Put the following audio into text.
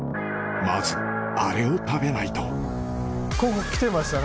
まずあれを食べないとオウ！